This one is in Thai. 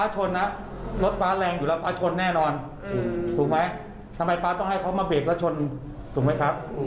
ถูกไหมทำไมป๊าต้องให้เขามาเบรกแล้วชนถูกไหมครับ